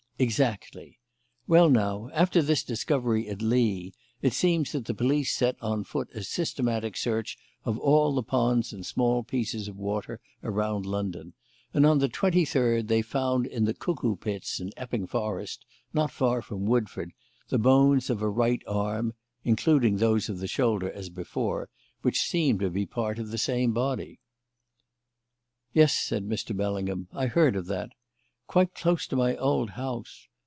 "Exactly. Well, now, after this discovery at Lee it seems that the police set on foot a systematic search of all the ponds and small pieces of water around London, and on the twenty third, they found in the Cuckoo Pits in Epping Forest, not far from Woodford, the bones of a right arm (including those of the shoulder, as before), which seem to be part of the same body." "Yes," said Mr. Bellingham, "I heard of that. Quite close to my old house.